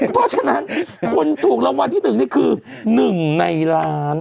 เพราะฉะนั้นคุณถูกรางวัลที่๑นี่คือ๑ในล้าน